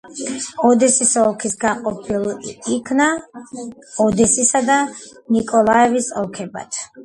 ოდესის ოლქი გაყოფილ იქნა ოდესისა და ნიკოლაევის ოლქებად.